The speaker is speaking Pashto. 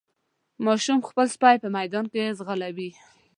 ماشوم خپل سپی په ميدان کې وځغلاوه.